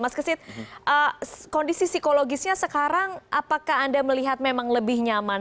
mas kesit kondisi psikologisnya sekarang apakah anda melihat memang lebih nyaman